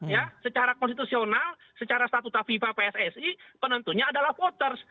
ya secara konstitusional secara statuta fifa pssi penentunya adalah voters